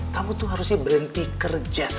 kamu tuh harusnya berhenti kerja